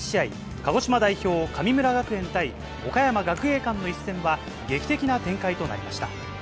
鹿児島代表、神村学園対岡山学芸館の一戦は、劇的な展開となりました。